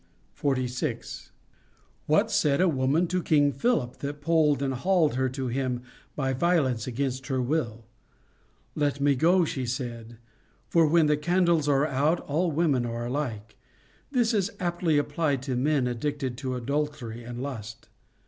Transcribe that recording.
46. What said a woman to King Philip, that pulled and hauled her to him by violence against her will \ Let me go, said she, for when the candles are out, all women are alike. This is aptly applied to men addicted to adul tery and lust.